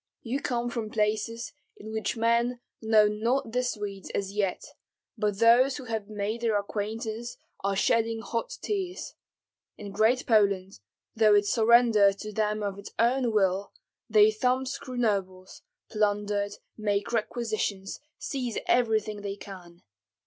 You come from places in which men know not the Swedes as yet, but those who have made their acquaintance are shedding hot tears. In Great Poland, though it surrendered to them of its own will, they thumbscrew nobles, plunder, make requisitions, seize everything they can.